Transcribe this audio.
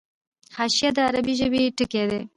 حاشیه د عربي ژبي ټکی دﺉ.